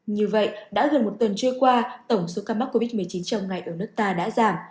như vậy đã gần một tuần trôi qua tổng số ca mắc covid một mươi chín trong ngày ở nước ta đã giảm